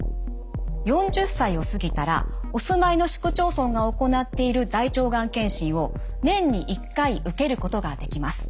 ４０歳を過ぎたらお住まいの市区町村が行っている大腸がん検診を年に１回受けることができます。